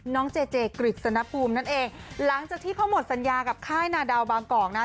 เจเจกฤษณภูมินั่นเองหลังจากที่เขาหมดสัญญากับค่ายนาดาวบางกอกนะ